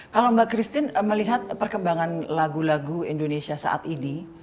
kalau mbak christine melihat perkembangan lagu lagu indonesia saat ini